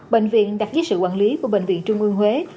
bệnh viện đặt dưới sự quản lý của bệnh viện trung ương huế